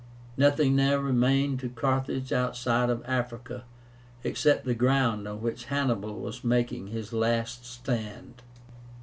Nothing now remained to Carthage outside of Africa, except the ground on which Hannibal was making his last stand.